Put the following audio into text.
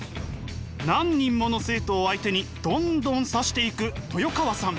何人もの生徒を相手にどんどん指していく豊川さん。